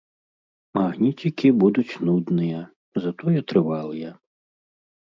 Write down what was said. Магніцікі будуць нудныя, затое трывалыя.